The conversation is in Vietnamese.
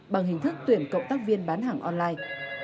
bằng hình thức tuyển cộng tác viên bán hàng online